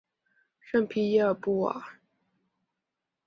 圣皮耶尔布瓦。